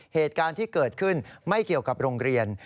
เหตุการณ์ที่เกิดขึ้นไม่เกี่ยวกับโรงเรียน